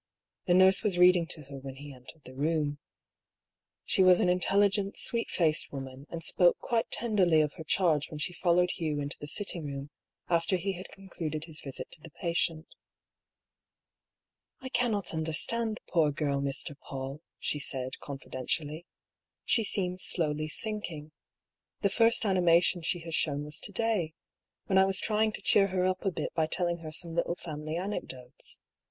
The nurse was reading to her when he entered the room. She was an intelligent, sweet faced woman, and spoke quite ten derly of her charge when she followed Hugh into the sitting room, after he had concluded his visit to the patient. " I cannot understand the poor girl, Mr. PauU," she said, confidentially. " She seems slowly sinking. The first animation she has shown was to day, when I was trying to cheer her up a bit by telling her some little family anecdotes.